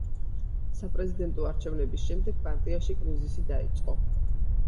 საპრეზიდენტო არჩევნების შემდეგ პარტიაში კრიზისი დაიწყო.